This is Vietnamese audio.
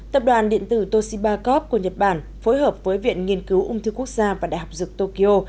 tập đoàn điện tử toshiba cop của nhật bản phối hợp với viện nghiên cứu ung thư quốc gia và đại học dược tokyo